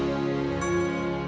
kamu juga sama